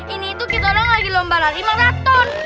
ini tuh kita lagi lomba lari maraton